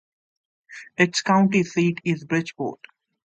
Its county seat is Bridgeport.